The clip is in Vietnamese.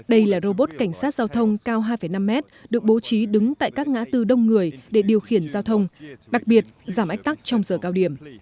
đây là robot cảnh sát giao thông cao hai năm mét được bố trí đứng tại các ngã tư đông người để điều khiển giao thông đặc biệt giảm ách tắc trong giờ cao điểm